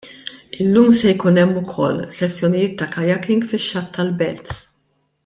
Illum se jkun hemm ukoll sessjonijiet ta' kayaking fix-xatt tal-Belt.